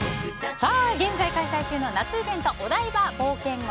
現在開催中の夏イベントお台場冒険王。